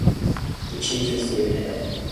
The chief is David Hale.